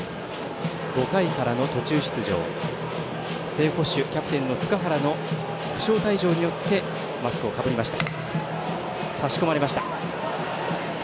５回からの途中出場、正捕手キャプテンの塚原の負傷退場によってマスクをかぶりました。